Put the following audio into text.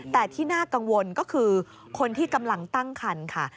แต่ที่น่ากังวลก็คือคนที่กำลังตั้งคันค่ะ